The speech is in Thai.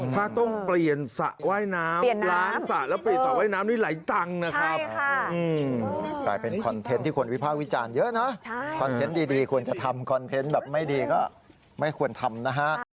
ถ้าต้องเปลี่ยนสระว่ายน้ำล้างสระแล้วเปลี่ยนสระว่ายน้ำนี่ไหลตังค์นะครับ